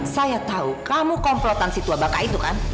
saya tahu kamu komplotan si tua baka itu kan